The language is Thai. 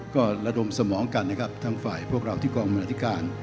ก็ระดมสมองกันนะครับทั้งฝ่ายพวกเราที่กองบรรณาธิการ